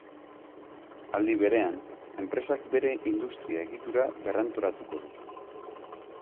Aldi berean, enpresak bere industria egitura berrantolatuko du.